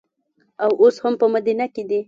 او اوس هم په مدینه کې دي.